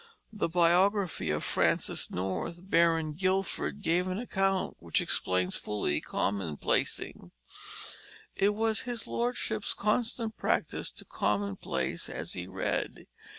The biography of Francis North, Baron Guildford, gave an account which explains fully commonplacing: "It was his lordship's constant practice to commonplace as he read.